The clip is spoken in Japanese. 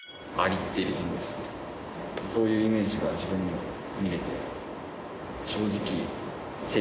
そういうイメージが自分には見えて。